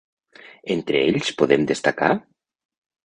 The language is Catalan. Entre ells podem destacar: